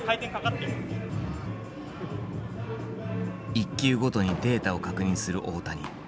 １球ごとにデータを確認する大谷。